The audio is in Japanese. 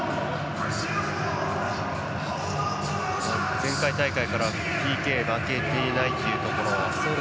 前回大会からＰＫ負けていないというところ。